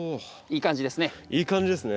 いい感じですね。